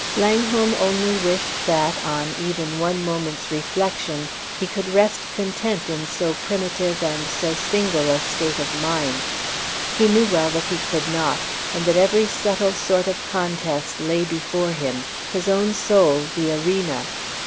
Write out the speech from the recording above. Langholm only wished that, on even one moment's reflection, he could rest content in so primitive and so single a state of mind. He knew well that he could not, and that every subtle sort of contest lay before him, his own soul the arena.